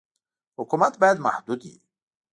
حکومت باید محدود وي.